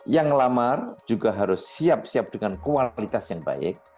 yang lamar juga harus siap siap dengan kualitas yang baik